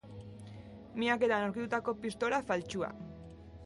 Miaketan aurkitutako pistola faltsua.